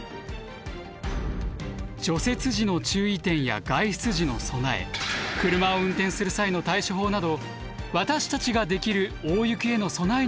除雪時の注意点や外出時の備え車を運転する際の対処法など私たちができる大雪への備えについて考えます。